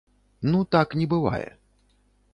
Ну так не бывае.